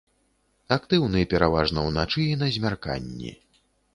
Актыўны пераважна ўначы і на змярканні.